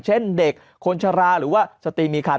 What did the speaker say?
เช่นเด็กคนชะลาหรือว่าสตรีมีคัน